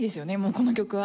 この曲は。